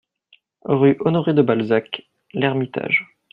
rue Honoré de Balzac, L'Hermitage